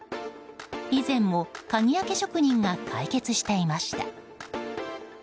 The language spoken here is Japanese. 以前も、鍵開け職人が解決していました。